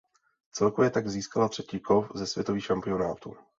Celkově tak získala třetí kov ze světových šampionátů.